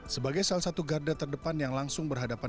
sebagai salah satu garda terdepan yang langsung berhadapan